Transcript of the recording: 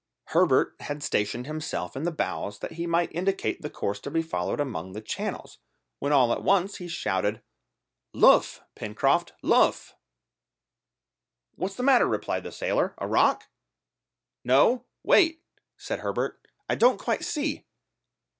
Herbert had stationed himself in the bows that he might indicate the course to be followed among the channels, when all at once he shouted, "Luff, Pencroft, luff!" "What's the matter," replied the sailor, "a rock?" "No wait," said Herbert, "I don't quite see.